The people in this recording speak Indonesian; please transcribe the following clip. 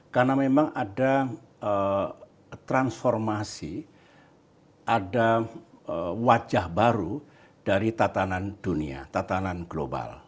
karena memang ada transformasi ada wajah baru dari tatanan dunia tatanan global